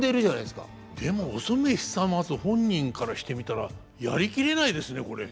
でもお染久松本人からしてみたらやりきれないですねこれ。